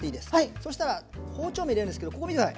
そしたら包丁目入れるんですけどここ見てください。